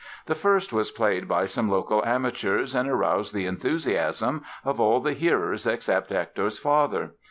The first was played by some local amateurs and aroused the enthusiasm of all the hearers except Hector's father.